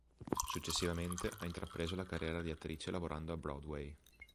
Successivamente ha intrapreso la carriera di attrice lavorando a Broadway.